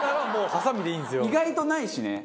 意外とないしね。